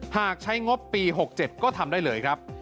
หากใช้งบปี๖๗ก็ทำได้เลยครับ